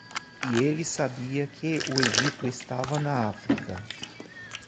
E ele sabia que o Egito estava na África.